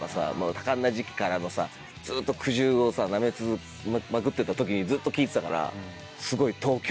多感な時期からのさずっと苦汁をなめ続けまくってた時にずっと聴いてたから。